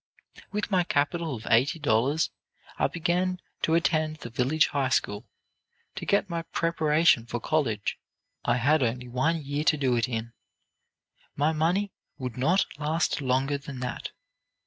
"With my capital of eighty dollars, I began to attend the village high school, to get my preparation for college. I had only one year to do it in. My money would not last longer than that.